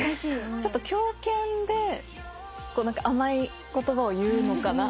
狂犬で甘い言葉を言うのかな？